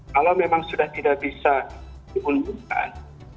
kalau memang sudah tidak bisa dimunculkan